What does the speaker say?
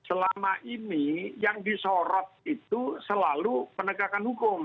selama ini yang disorot itu selalu penegakan hukum